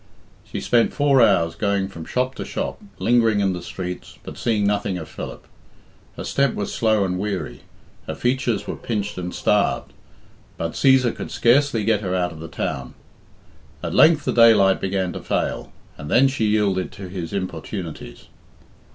She spent four hours going from shop to shop, lingering in the streets, but seeing nothing of Philip. Her step was slow and weary, her features were pinched and starved, but Cæsar could scarcely get her out of the town. At length the daylight began to fail, and then she yielded to his importunities.